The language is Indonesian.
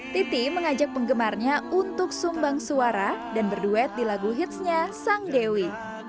titi mengajak penggemarnya untuk sumbang suara dan berduet di lagu hitsnya sang dewi